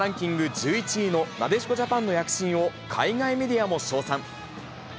１１のなでしこジャパンの躍進を、海外メディアも称賛。